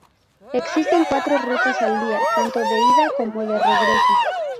Existen cuatro Rutas al día, tanto de ida como de regreso.